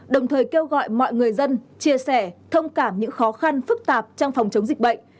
đồng thời kêu gọi mọi người dân chia sẻ thông cảm những khó khăn phức tạp trong phòng chống dịch bệnh